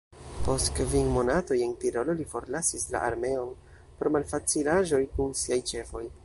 Post kvin monatoj en Tirolo li forlasis la armeon, pro malfacilaĵoj kun siaj ĉefoj.